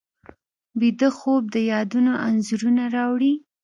ویده خوب د یادونو انځورونه راوړي